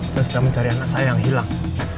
saya sedang mencari anak saya yang hilang